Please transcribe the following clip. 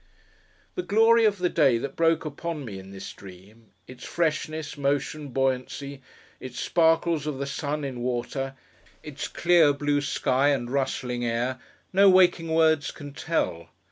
The glory of the day that broke upon me in this Dream; its freshness, motion, buoyancy; its sparkles of the sun in water; its clear blue sky and rustling air; no waking words can tell.